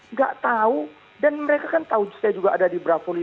nggak tahu dan mereka kan tahu saya juga ada di bravo lima